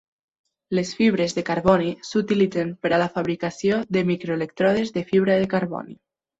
Les fibres de carboni s"utilitzen per a la fabricació de micro-elèctrodes de fibra de carboni.